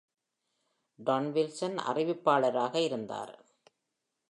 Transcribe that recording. Don Wilson அறிவிப்பாளராக இருந்தார்.